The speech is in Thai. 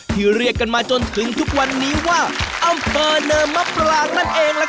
เรียกกันมาจนถึงทุกวันนี้ว่าอำเภอเนินมะปรางนั่นเองล่ะครับ